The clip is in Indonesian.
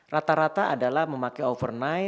rata rata adalah memakai overnight